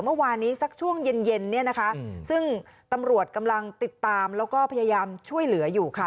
เมื่อวานี้สักช่วงเย็นเย็นเนี่ยนะคะซึ่งตำรวจกำลังติดตามแล้วก็พยายามช่วยเหลืออยู่ค่ะ